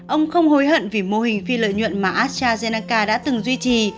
ông không hối hận vì mô hình phi lợi nhuận mà astrazeneca đã từng duy trì